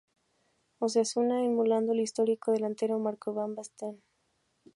Osasuna, emulando al histórico delantero Marco Van Basten.